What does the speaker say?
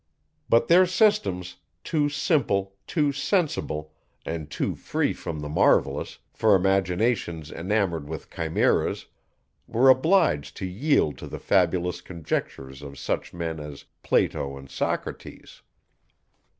But their systems, too simple, too sensible, and too free from the marvellous, for imaginations enamoured with chimeras, were obliged to yield to the fabulous conjectures of such men as Plato and Socrates.